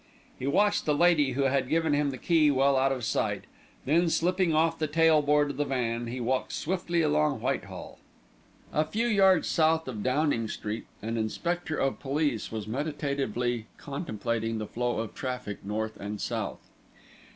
He watched the lady who had given him the key well out of sight, then slipping off the tail board of the van he walked swiftly along Whitehall. A few yards south of Downing Street, an inspector of police was meditatively contemplating the flow of traffic north and south.